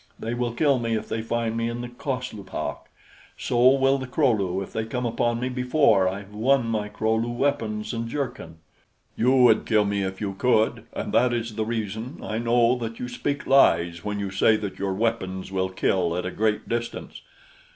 They will kill me if they find me in the coslupak; so will the Kro lu if they come upon me before I have won my Kro lu weapons and jerkin. You would kill me if you could, and that is the reason I know that you speak lies when you say that your weapons will kill at a great distance.